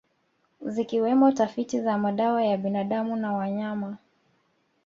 Zikiwemo tafiti za madawa ya binadamu na wanyama